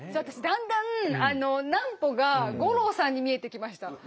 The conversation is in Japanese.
私だんだん南畝が五郎さんに見えてきました。